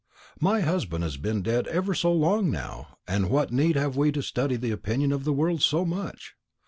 "My husband has been dead ever so long now, and what need have we to study the opinion of the world so much?